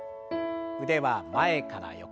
腕は前から横。